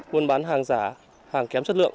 buôn bán hàng giả hàng kém chất lượng